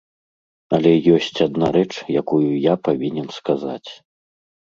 Але ёсць адна рэч, якую я павінен сказаць.